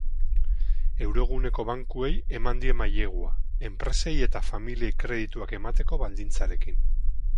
Euroguneko bankuei eman die mailegua, enpresei eta familiei kredituak emateko baldintzarekin.